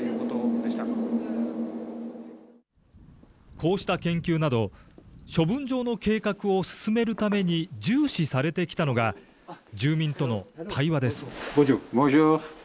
こうした研究など、処分場の計画を進めるために重視されてきたのが、住民との対話です。